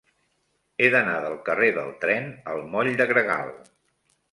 He d'anar del carrer del Tren al moll de Gregal.